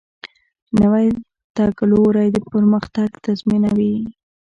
نوی تګلوری پرمختګ تضمینوي